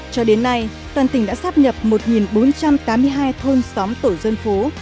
cho đến nay toàn tỉnh đã sắp nhập một bốn trăm tám mươi hai thôn xóm tổ dân phố